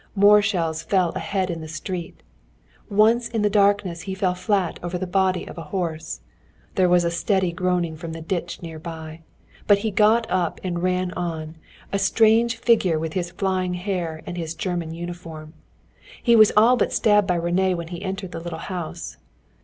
More shells fell ahead in the street. Once in the darkness he fell flat over the body of a horse. There was a steady groaning from the ditch near by. But he got up and ran on, a strange figure with his flying hair and his German uniform. He was all but stabbed by René when he entered the little house.